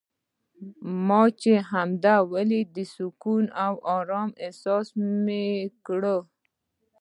ما چې همدا ولید د سکون او ارامۍ احساس مې وکړ.